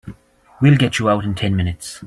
We'll get you out in ten minutes.